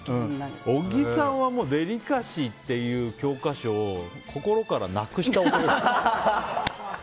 小木さんはデリカシーっていう教科書を心からなくした男ですよ。